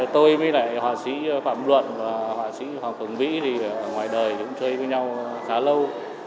tôi với lại họa sĩ phạm luận và họa sĩ hoàng hồng vĩ thì ở ngoài đời cũng chơi với nhau khá lâu